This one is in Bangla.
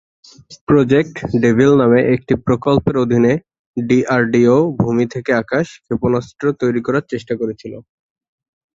প্রজেক্ট ডেভিল নামে একটি প্রকল্পের অধীনে ডিআরডিও ভূমি-থেকে-আকাশ ক্ষেপণাস্ত্র তৈরি করার চেষ্টা করেছিল।